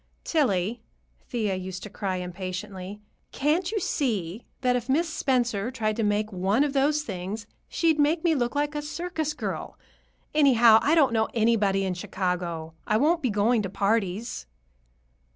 "Tillie," Thea used to cry impatiently, "can't you see that if Miss Spencer tried to make one of those things, she'd make me look like a circus girl? Anyhow, I don't know anybody in Chicago. I won't be going to parties."